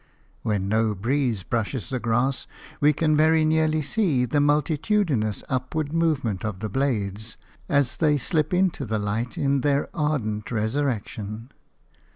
When no breeze brushes the grass, we can very nearly see the multitudinous upward movement of the blades as they slip into the light in their ardent resurrection.